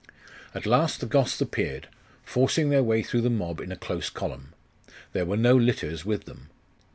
At last the Goths appeared, forcing their way through the mob in a close column. There were no litters with them.